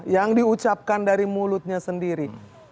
yang diucapkan dari mulutnya sendiri